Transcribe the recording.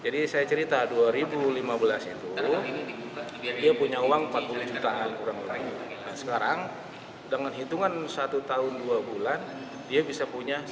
dia bisa punya sembilan puluh juta